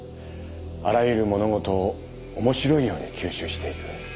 あらゆる物事を面白いように吸収していく。